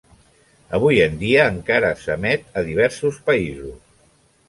Avui en dia encara s'emet a diversos països.